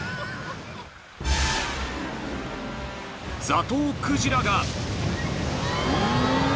［ザトウクジラが！］